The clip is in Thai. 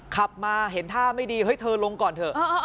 ขับมาเห็นท่าไม่ดีเฮ้ยเธอลงก่อนเถอะ